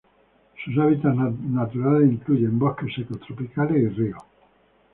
Sus hábitats naturales incluyen bosques secos tropicales y ríos.